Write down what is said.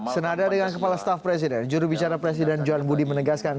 senada dengan kepala staff presiden jurubicara presiden johan budi menegaskan